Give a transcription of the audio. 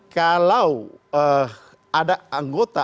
kalau ada anggota